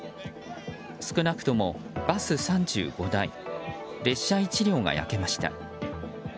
少なくともバス３５台列車１両が焼けました。